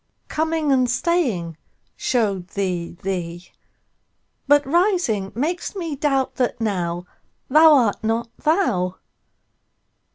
Coming and staying show'd thee thee; But rising makes me doubt that nowThou art not thou.